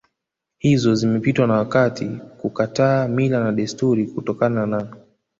hizo zimepitwa na wakati kukataa mila na desturi kutokana na